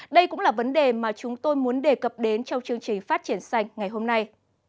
đây cũng là vấn đề mà chúng tôi muốn đề cập đến trong chương trình phát triển xanh ngày hôm nay